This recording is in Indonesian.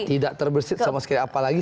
tidak terbersih sama sekali apalagi